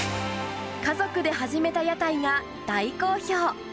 家族で始めた屋台が大好評。